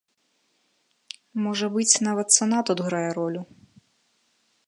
Можа быць, нават цана тут грае ролю.